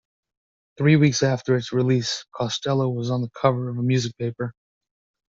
Three weeks after its release, Costello was on the cover of a music paper.